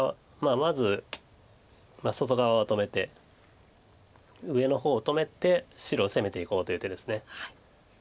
まず外側は止めて上の方を止めて白を攻めていこうという手です。